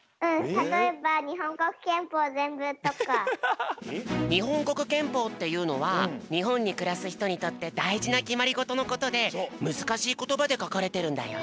たとえばにほんこくけんぽうっていうのはにほんにくらすひとにとってだいじなきまりごとのことでむずかしいことばでかかれてるんだよ。